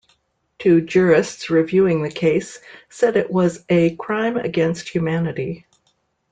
Two jurists reviewing the case said it was a "crime against humanity".